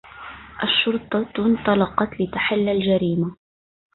الشرطة انطلقت لتحل الجريمة